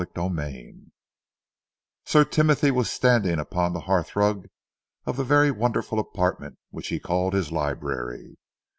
CHAPTER XXV Sir Timothy was standing upon the hearthrug of the very wonderful apartment which he called his library.